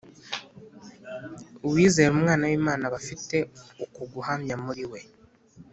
Uwizera Umwana w'Imana aba afite uko guhamya muri we: